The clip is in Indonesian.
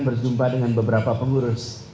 berjumpa dengan beberapa pengurus